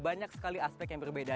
banyak sekali aspek yang berbeda